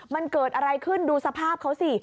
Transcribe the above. มันเกิดอะไรขึ้นดูสภาพเขาสิ